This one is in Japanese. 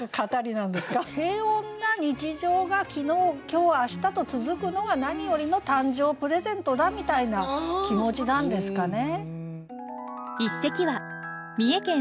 平穏な日常が昨日今日明日と続くのが何よりの誕生プレゼントだみたいな気持ちなんですかね。